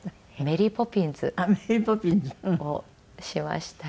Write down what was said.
『メリー・ポピンズ』。をしました。